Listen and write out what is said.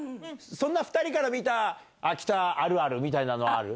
そんな２人から見た秋田あるあるみたいなのはある？